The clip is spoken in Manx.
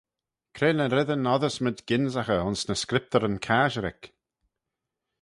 Cre ny reddyn oddysmayd gynsaghey ayns ny Scriptyryn Casherick?